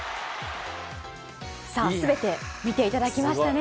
すべて見ていただきましたね。